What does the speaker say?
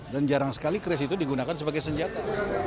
dan jarang sekali keris itu digunakan sebagai senjata